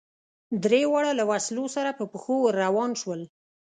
درېواړه له وسلو سره په پښو ور روان شول.